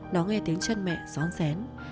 nó nghe tiếng chân mẹ gión rén